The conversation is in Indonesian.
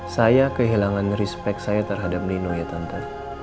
saya kehilangan respect saya terhadap nino ya tanta